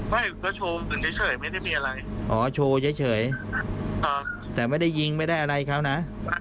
โบ๊ทโชว์เฉยแต่ไม่ได้ยิงไม่ได้อะไรครับนะ